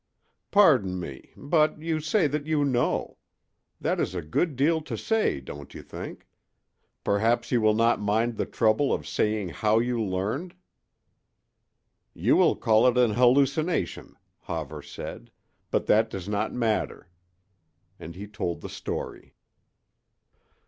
"Pardon me. But you say that you know. That is a good deal to say, don't you think? Perhaps you will not mind the trouble of saying how you learned." "You will call it an hallucination," Hawver said, "but that does not matter." And he told the story.